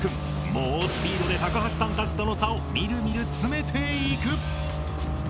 猛スピードで高橋さんたちとの差をみるみる詰めていく！